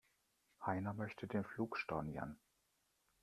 Heiner möchte den Flug stornieren.